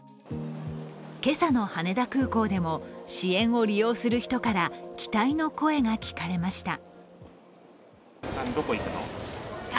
今朝の羽田空港でも支援を利用する人から期待の声が利かれました。